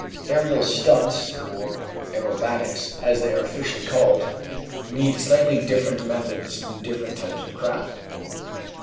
Aerial "stunts" or "aerobatics," as they are officially called, need slightly different methods in different types of craft.